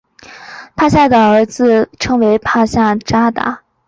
帕夏的儿子称为帕夏札达。